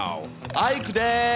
アイクです！